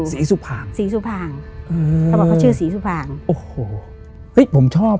สีสุภางศรีสุภางอืมเขาบอกเขาชื่อสีสุภางโอ้โหเฮ้ยผมชอบ